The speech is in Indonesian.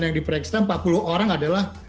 yang diperiksa empat puluh orang adalah